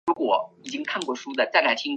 丁癸草是豆科丁癸草属的植物。